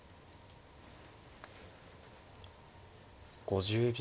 ５０秒。